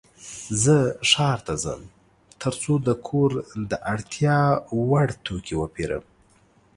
زه ښار ته ځم ترڅو د کور د اړتیا وړ توکې وپيرم.